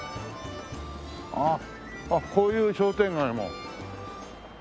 あっこういう商店街も。